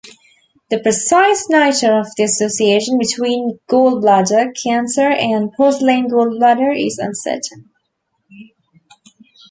The precise nature of the association between gallbladder cancer and porcelain gallbladder is uncertain.